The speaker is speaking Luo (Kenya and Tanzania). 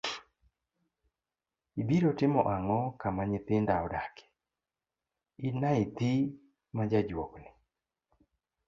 Ibiro timo ang'o kama nyithinda odake, in naythi ma jajuok ni?